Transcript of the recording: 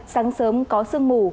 sáng sớm có sương mù